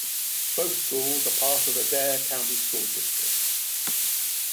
Both schools are part of the Dare County Schools district.